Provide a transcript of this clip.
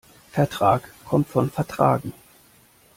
Vertrag kommt von vertragen.